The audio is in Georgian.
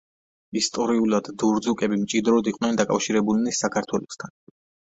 ისტორიულად დურძუკები მჭიდროდ იყვნენ დაკავშირებულნი საქართველოსთან.